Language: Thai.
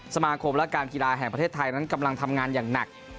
สมาคมและการกีฬาแห่งประเทศไทยนั้นกำลังทำงานอย่างหนัก